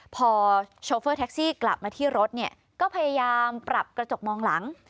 พอโชเฟอร์แท็กซี่กลับมาที่รถเนี่ยก็พยายามปรับกระจกมองหลัง